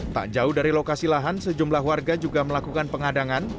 tak jauh dari lokasi lahan sejumlah warga juga melakukan pengadangan